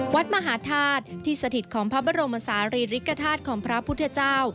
วัดมหาธาตุที่สถิตของพระบรมศาลีริกฐาตุของพระพุทธเจ้า